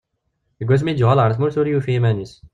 Seg wasmi i d-yuɣal ɣer tmurt ur yufi iman-is.